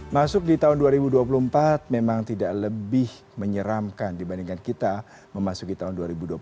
masuk di tahun dua ribu dua puluh empat memang tidak lebih menyeramkan dibandingkan kita memasuki tahun dua ribu dua puluh satu